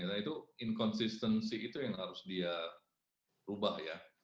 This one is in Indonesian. nah itu inkonsistensi itu yang harus dia rubah ya